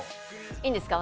いいんですか？